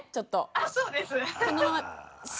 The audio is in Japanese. あそうです。